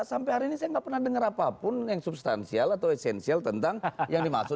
sampai hari ini saya nggak pernah dengar apapun yang substansial atau esensial tentang yang dimaksud